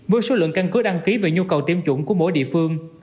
với số lượng căn cứ đăng ký về nhu cầu tiêm chủng của mỗi địa phương